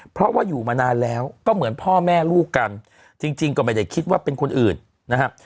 เพราะว่าอยู่มานานแล้วก็เหมือนพ่อแม่ลูกกันจริงก็ไม่ได้คิดว่าเป็นคนอื่นนะครับ